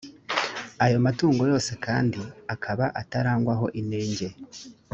ayo matungo yose kandi akazaba atarangwaho inenge.